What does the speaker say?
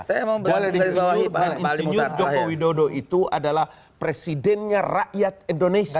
dan insinyur joko widodo itu adalah presidennya rakyat indonesia